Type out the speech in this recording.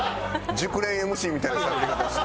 熟練ＭＣみたいなしゃべり方して。